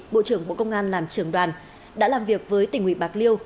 bộ trưởng bộ công an làm trưởng đoàn đã làm việc với tỉnh ủy bạc liêu